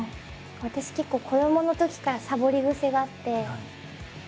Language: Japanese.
私結構子どものときからサボり癖があって。